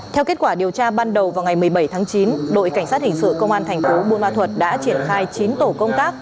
theo kết quả điều tra ban đầu vào ngày một mươi bảy tháng chín đội cảnh sát hình sự công an thành phố buôn ma thuật đã triển khai chín tổ công tác